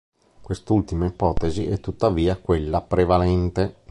Quest'ultima ipotesi è tuttavia quella prevalente.